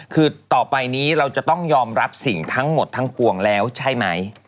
คือต่อไปนี้เราจะต้องยอมรับสิ่งทั้งหมดทั้งปวงแล้วใช่ไหม